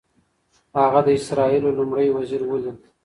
هغه د اسرائیلو لومړي وزیر ولید.